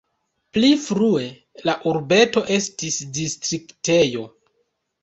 Pli frue la urbeto estis distriktejo.